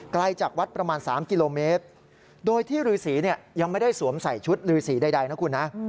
ไกลจากวัดประมาณ๓กิโลเมตรโดยที่ฤษียังไม่ได้สวมใส่ชุดลือสีใดนะคุณนะ